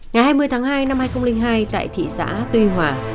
ngày hai mươi tháng hai năm hai nghìn hai tại thị xã tuy hòa